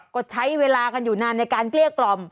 ก็ใช้เวลากันอยู่นานในการเกลี้ยกล่อม